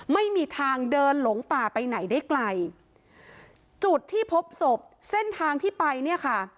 ไม่มีทางเดินหลงป่าไปไหนได้ไกลจุดที่พบศพเส้นทางที่ไปเนี่ยค่ะ